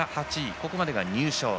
ここまでが入賞。